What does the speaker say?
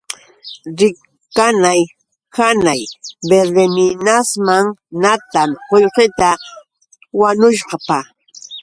Riq kanan hanay Verdeminasman natam qullqita wanushpa.